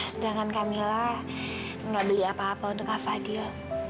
sedangkan kak mila gak beli apa apa untuk kak fadil